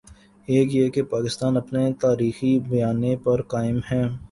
ایک یہ کہ پاکستان اپنے تاریخی بیانیے پر قائم ہے۔